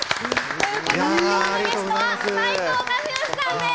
ということで今日のゲストは斉藤和義さんです。